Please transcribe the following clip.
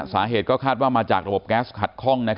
สาเหตุก็คาดว่ามาจากระบบแก๊สขัดคล่อง